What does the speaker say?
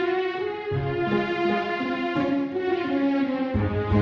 masa sebelum program engine